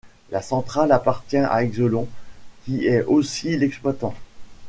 La centrale appartient à Exelon qui est aussi l'exploitant.